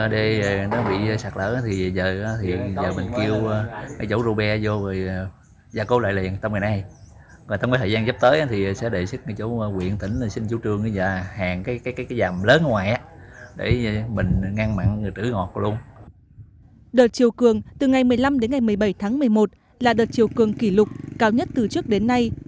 đợt chiều cường từ ngày một mươi năm đến ngày một mươi bảy tháng một mươi một là đợt chiều cường kỷ lục cao nhất từ trước đến nay